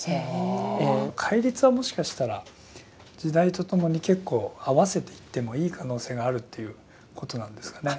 戒律はもしかしたら時代とともに結構合わせていってもいい可能性があるっていうことなんですかね？